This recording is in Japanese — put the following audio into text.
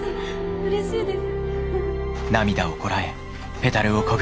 うれしいです。